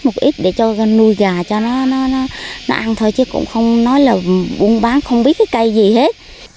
một ít để cho nuôi gà cho nó ăn thôi chứ cũng không nói là buôn bán không biết cái cây gì hết